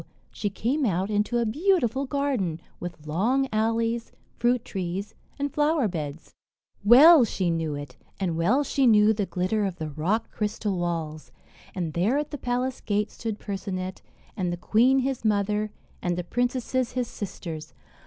she came out into a beautiful garden, with long alleys, fruit trees, and flower beds. Well she knew it, and well she knew the glitter of the rock crystal walls. And there, at the palace gate, stood Percinet, and the queen, his mother, and the princesses, his sisters.